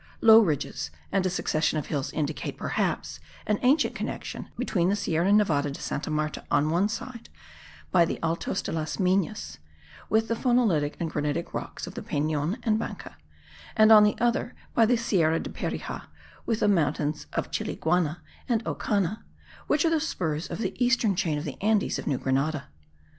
Low ridges and a succession of hills indicate, perhaps, an ancient connection between the Sierra Nevada de Santa Marta on one side, by the Alto de las Minas, with the phonolitic and granitic rocks of the Penon and Banca, and on the other, by the Sierra de Perija, with the mountains of Chiliguana and Ocana, which are the spurs of the eastern chain of the Andes of New Grenada.